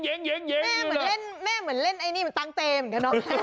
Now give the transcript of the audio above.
แม่เหมือนเล่นตังเตมเหมือนกันเนอะ